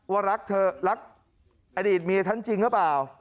ว่ารักอดีตเมียทั้งจริงหรือเปล่า